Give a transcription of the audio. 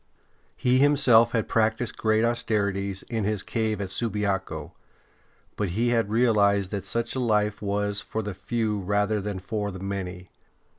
He 71 72 ST. BENEDICT himself had practised great austerities in his cave at Subiaco, but he had reaHzed that such a life was for the few rather than for the many.